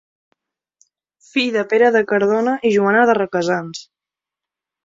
Fill de Pere de Cardona i Joana de Requesens.